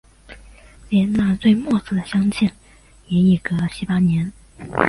连那最末次的相见也已经隔了七八年